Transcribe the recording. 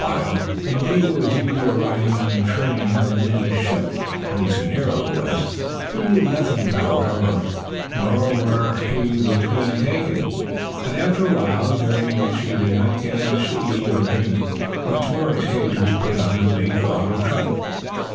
Page 62] Indeed it was easier riding on a train than in a ship; at least for Nero. He knew nothing about railroads, nor where he was being taken. But, after a while, during which he did not get much to eat or drink, once more his cage was put on a big auto truck.